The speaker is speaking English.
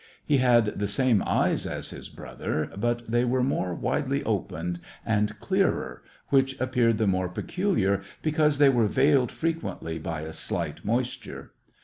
He had the same eyes as his brother, but they were more widely opened, and clearer, which appeared the more peculiar because they were veiled frequently by a slight moisture.